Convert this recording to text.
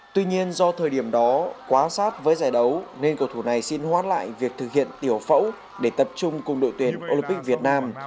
tuy nhiên do thời điểm đó quá sát với giải đấu nên cầu thủ này xin hoán lại việc thực hiện tiểu phẫu để tập trung cùng đội tuyển olympic việt nam